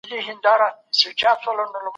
د حج سفر د هر مسلمان دپاره تر ټولو لوی ارمان دی.